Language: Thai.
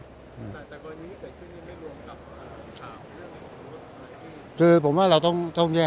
แต่ตอนนี้เกิดขึ้นยังไม่รวมกับข่าวเรื่องของคุณภูมิ